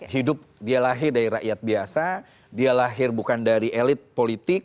hidup dia lahir dari rakyat biasa dia lahir bukan dari elit politik